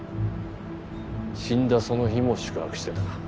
死んだその日も宿泊していた。